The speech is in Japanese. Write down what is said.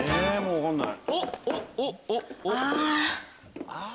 分かんない。